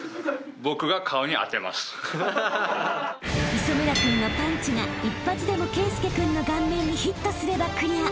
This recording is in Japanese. ［磯村君のパンチが１発でも圭佑君の顔面にヒットすればクリア］